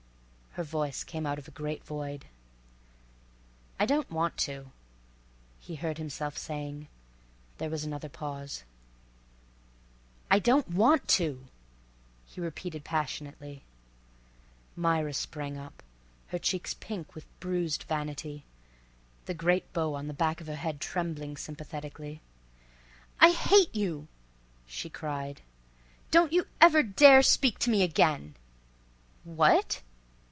Her voice came out of a great void. "I don't want to," he heard himself saying. There was another pause. "I don't want to!" he repeated passionately. Myra sprang up, her cheeks pink with bruised vanity, the great bow on the back of her head trembling sympathetically. "I hate you!" she cried. "Don't you ever dare to speak to me again!" "What?"